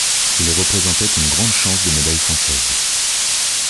Il représentait une grande chance de médaille française.